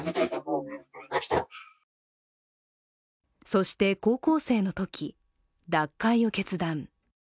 そして高校生のとき、脱会を決断。